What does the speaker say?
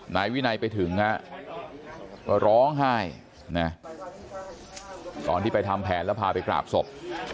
นายวินัยไปถึงก็ร้องไห้นะตอนที่ไปทำแผนแล้วพาไปกราบศพ